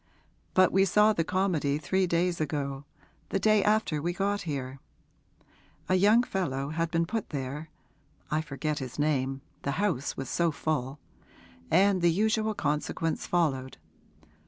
But we saw the comedy three days ago the day after we got here. A young fellow had been put there I forget his name the house was so full; and the usual consequence followed.